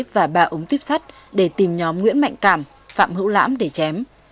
và ba ống tuyếp sắt để tìm nhóm nguyễn mạnh cảm phạm hữu lãm để chém